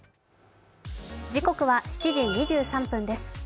時刻は７時２３分です。